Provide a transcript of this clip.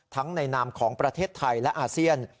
ในนามของประเทศไทยและอาเซียน